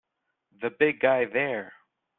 The big guy there!